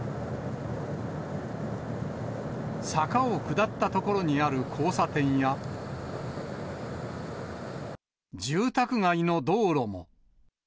坂を下ったところにある交差点や、住宅街の道路も。